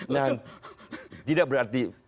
nah tidak berarti